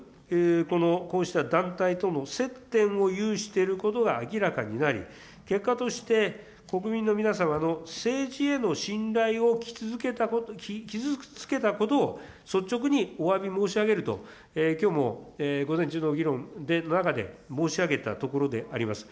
このこうした団体との接点を有してることが明らかになり、結果として、国民の皆様の政治への信頼を傷つけたことを率直におわび申し上げると、きょうも午前中の議論の中で申し上げたところであります。